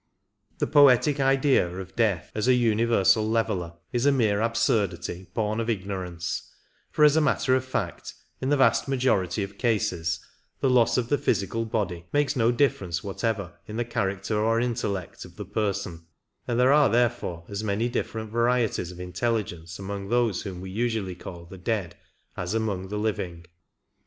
The poetic idea of death as a universal leveller is a mere absurdity born of ignorance, for, as a matter of fact, in the 28 vast majority of cases the loss of the physical body makes no difference whatever in the character or intellect of the person, and there are therefore as many different varieties of intelligence among those whom we usually call the dead as among the living.